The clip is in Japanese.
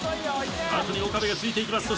後に岡部がついていきます。